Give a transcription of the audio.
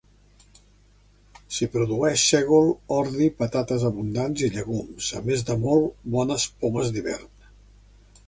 S'hi produeix sègol, ordi, patates abundants i llegums, a més de molt bones pomes d'hivern.